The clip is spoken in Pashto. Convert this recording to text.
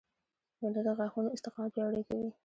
بېنډۍ د غاښونو استقامت پیاوړی کوي